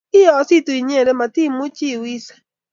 kiiyositu inyete matiimuchi iwise